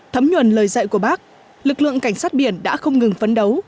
thấm nhuần lời dạy của bác lực lượng cảnh sát biển đã không ngừng phấn đấu